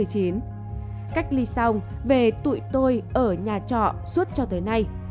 cách ly xong về tụi tôi ở nhà trọ suốt cho tới nay